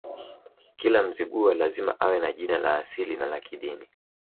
Kila Mzigua lazima awe na jina la asili na la kidini